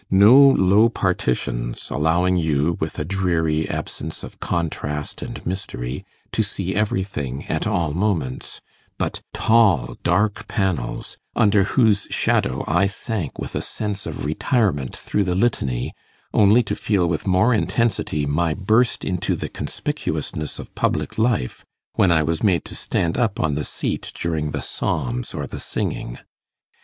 No low partitions allowing you, with a dreary absence of contrast and mystery, to see everything at all moments; but tall dark panels, under whose shadow I sank with a sense of retirement through the Litany, only to feel with more intensity my burst into the conspicuousness of public life when I was made to stand up on the seat during the psalms or the singing.